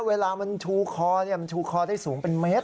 เวลามันชูคอมันชูคอได้สูงเป็นเมตร